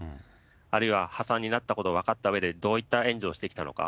あるいは破産になったことを分かったうえで、どういった援助をしてきたのか。